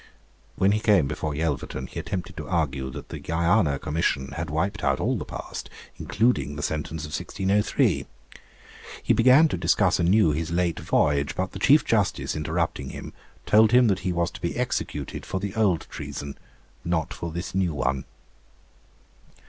When he came before Yelverton, he attempted to argue that the Guiana commission had wiped out all the past, including the sentence of 1603. He began to discuss anew his late voyage; but the Chief Justice, interrupting him, told him that he was to be executed for the old treason, not for this new one.